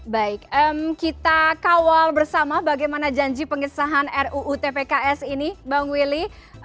baik kita kawal bersama bagaimana janji pengesahan ruu tpks ini bang willy